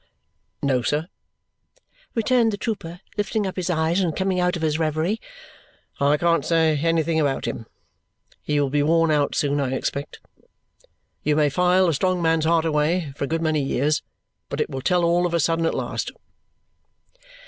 "No, sir," returned the trooper, lifting up his eyes and coming out of his reverie. "I can't say anything about him. He will be worn out soon, I expect. You may file a strong man's heart away for a good many years, but it will tell all of a sudden at last."